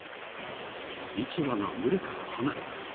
１羽が群れから離れた。